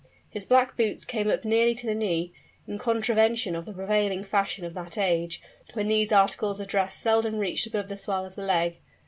His black boots came up nearly to the knee in contravention of the prevailing fashion of that age, when these articles of dress seldom reached above the swell of the leg.